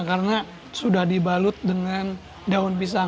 karena sudah dibalut dengan daun pisang